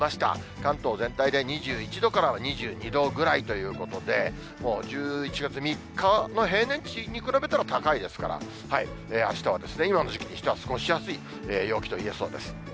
関東全体で２１度から２２度ぐらいということで、もう１１月３日の平年値に比べたら高いですから、あしたは今の時期にしては過ごしやすい陽気といえそうです。